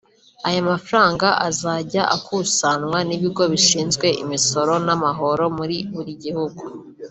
Aya mafaranga azajya akusanywa n’ibigo bishinzwe imisoro n’amahoro muri buri gihugu